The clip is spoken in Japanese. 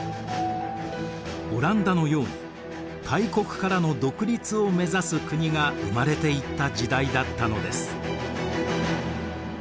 オランダのように大国からの独立を目指す国が生まれていった時代だったのです。